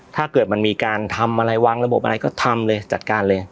ถ้าเกิดมันมีการทำอะไรวางระบบอะไรก็ทำเลยจัดการเลย